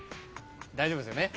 ・大丈夫ですよね！？